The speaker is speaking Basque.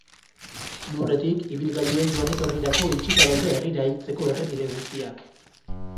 Lurretik, ibilgailuen joan-etorrirako itxita daude herrira heltzeko errepide guztiak.